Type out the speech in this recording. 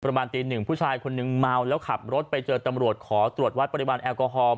ประมาณตีหนึ่งผู้ชายคนนึงเมาแล้วขับรถไปเจอตำรวจขอตรวจวัดปริมาณแอลกอฮอล